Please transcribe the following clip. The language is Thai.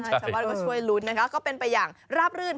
ชาวบ้านก็ช่วยลุ้นนะคะก็เป็นไปอย่างราบรื่น